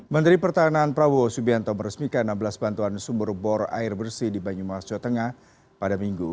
menteri pertahanan prabowo subianto meresmikan enam belas bantuan sumber bor air bersih di banyumas jawa tengah pada minggu